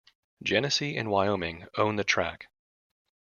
Genesee and Wyoming own the track.